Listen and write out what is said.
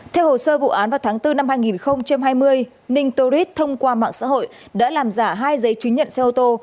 theo hồ sơ vụ án vào tháng bốn năm hai nghìn hai mươi ninh tourist thông qua mạng xã hội đã làm giả hai giấy chứng nhận xe ô tô